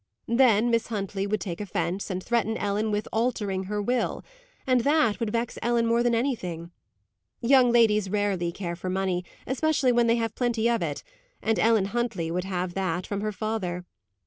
Then Miss Huntley would take offence, and threaten Ellen with "altering her will," and that would vex Ellen more than anything. Young ladies rarely care for money, especially when they have plenty of it; and Ellen Huntley would have that, from her father.